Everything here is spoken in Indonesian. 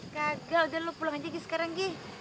gagal udah lo pulang aja sekarang gi